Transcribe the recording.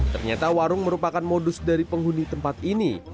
ternyata warung merupakan modus dari penghuni tempat ini